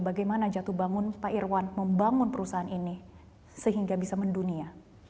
bagaimana jatuh bangun pak irwan membangun perusahaan ini sehingga bisa mendunia